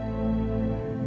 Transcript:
aku tak tahu kenapa